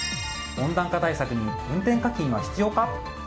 温暖化対策に運転課金は必要か。